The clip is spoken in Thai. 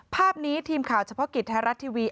ภาพนี้ทีมข่าวเฉพาะกิจไทยรัฐทีวี